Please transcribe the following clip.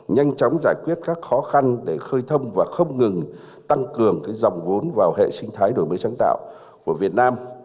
nhanh chóng giải quyết các khó khăn để khơi thông và không ngừng tăng cường dòng vốn vào hệ sinh thái đổi mới sáng tạo của việt nam